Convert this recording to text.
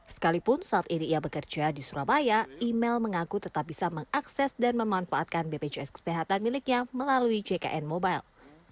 sekalipun saat ini ia bekerja di surabaya email mengaku tetap bisa mengakses dan memanfaatkan bpjs kesehatan miliknya melalui jkn mobile